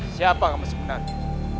siapa kamu sebenarnya